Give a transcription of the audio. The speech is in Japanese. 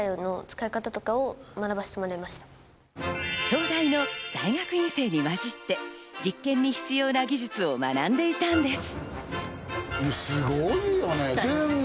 東大の大学院生にまじって実験に必要な技術を学んでいたんです。